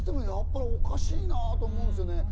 やっぱりおかしいなと思うんですよね。